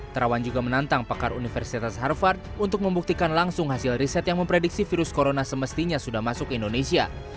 terawan juga menantang pakar universitas harvard untuk membuktikan langsung hasil riset yang memprediksi virus corona semestinya sudah masuk ke indonesia